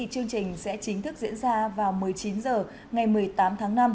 chương trình sẽ chính thức diễn ra vào một mươi chín h ngày một mươi tám tháng năm